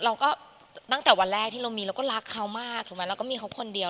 ตั้งแต่วันแรกที่เรามีเราก็รักเขามากถูกไหมเราก็มีเขาคนเดียว